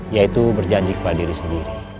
yaitu berjanji kepada diri sendiri